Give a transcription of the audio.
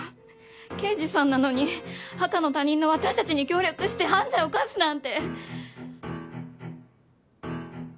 刑事さんなのに赤の他人の私たちに協力して犯罪犯すなんて。